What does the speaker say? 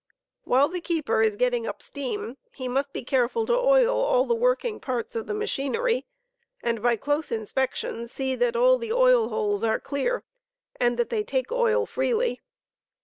While the keeper is gettiug up steam, he must be careful to oil all the working omn * parts of the machinery, and by close inspection see that all the oil holes are clear, and that they take oil freely.